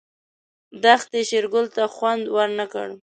دښتې شېرګل ته خوند ورنه کړ.